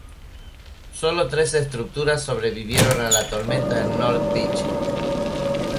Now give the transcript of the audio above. Solo tres estructuras sobrevivieron a la tormenta en North Beach.